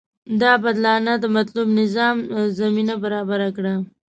دا بدلانه د مطلوب نظام زمینه برابره کړي.